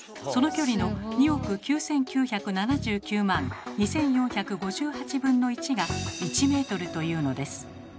その距離の２億９，９７９万２，４５８分の１が１ｍというのです。